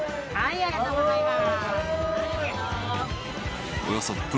ありがとうございます。